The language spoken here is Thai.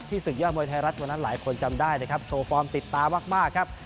ศึกยอดมวยไทยรัฐวันนั้นหลายคนจำได้นะครับโชว์ฟอร์มติดตามากมากครับ